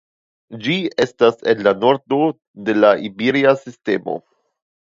Ĝi estas en la nordo de la Iberia Sistemo.